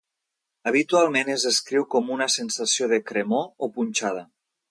Habitualment es descriu com una sensació de cremor o punxada.